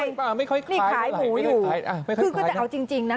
อ่าไม่ค่อยคล้ายนี่คล้ายหมูอยู่อ่าไม่ค่อยคล้ายคือก็จะเอาจริงจริงนะ